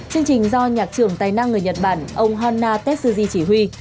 chương trình do nhạc trưởng tài năng người nhật bản ông hanna tetsuji chỉ huy